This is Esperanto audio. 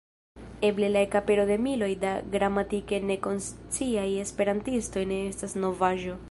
Eble la ekapero de miloj da gramatike nekonsciaj esperantistoj ne estas novaĵo.